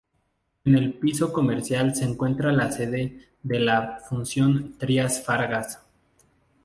En el piso principal se encuentra la sede de la fundación Trías Fargas.